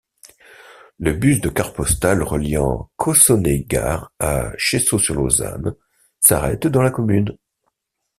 Le bus de CarPostal reliant Cossonay-Gare à Cheseaux-sur-Lausanne s'arrête dans la commune.